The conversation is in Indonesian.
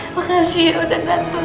makasih udah dateng